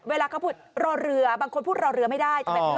เวลาเขาพูดรอเรือบางคนพูดรอเรือไม่ได้ใช่ไหม